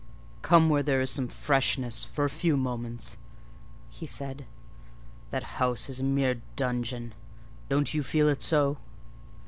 "Come where there is some freshness, for a few moments," he said; "that house is a mere dungeon: don't you feel it so?"